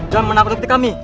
dan menakutkan kami